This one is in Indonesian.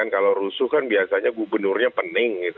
kalau rusuh kan biasanya gubernurnya pening gitu